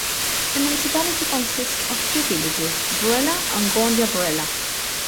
The municipality consists of two villages: Brela and Gornja Brela.